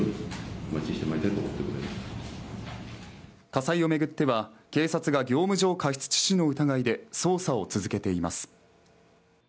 火災を巡っては警察が業務上過失致死の疑いで捜査を続けています。